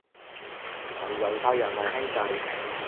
同猶太人係兄弟